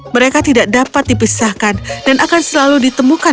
mereka tidak dapat dipisahkan dan akan selalu ditemukan